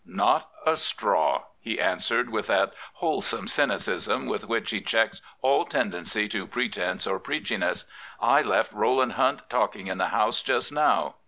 " Not a straw," he answered with that wholesome cynicism with which he checks all tendency to pre tence or preachiness. " I left Rowland Hunt talking in the House just now."